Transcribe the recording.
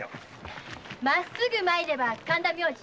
まっすぐ参れば神田明神。